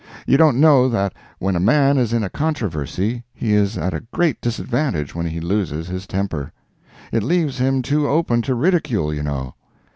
You don't know that when a man is in a controversy he is at a great disadvantage when he loses his temper. It leaves him too open to ridicule, you know.